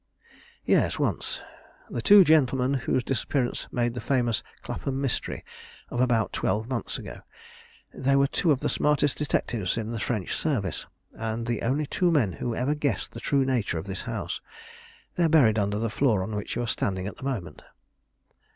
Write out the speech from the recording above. "Yes, once. The two gentlemen whose disappearance made the famous 'Clapham Mystery' of about twelve months ago. They were two of the smartest detectives in the French service, and the only two men who ever guessed the true nature of this house. They are buried under the floor on which you are standing at this moment."